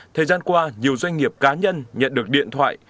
thời gian qua nhiều doanh nghiệp cá nhân nhận được điện thoại